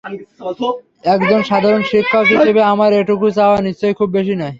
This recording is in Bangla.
একজন সাধারণ শিক্ষক হিসেবে আমার এটুকু চাওয়া নিশ্চয়ই খুব বেশি নয়।